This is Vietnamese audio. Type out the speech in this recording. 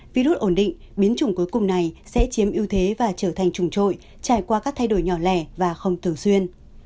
virus ổn định biến chủng cuối cùng này sẽ chiếm ưu thế và trở thành trùng trội trải qua các thay đổi nhỏ lẻ và không thường xuyên